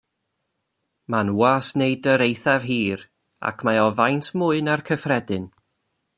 Mae'n was neidr eithaf hir, ac mae o faint mwy na'r cyffredin.